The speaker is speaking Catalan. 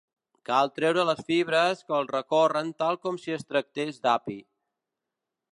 Cal treure les fibres que els recorren tal com si es tractés d'api.